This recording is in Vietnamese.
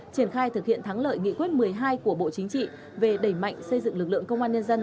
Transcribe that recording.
triển khai thực hiện thắng lợi nghị quyết một mươi hai của bộ chính trị về đẩy mạnh xây dựng lực lượng công an nhân dân